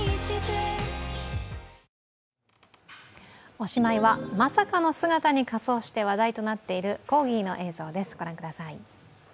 おしまいは、まさかの姿に仮装して話題となっているコーギーの映像です。